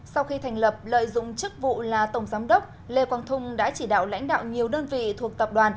sau khi thành lập lợi dụng chức vụ là tổng giám đốc lê quang thung đã chỉ đạo lãnh đạo